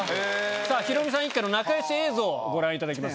さぁヒロミさん一家の仲良し映像ご覧いただきます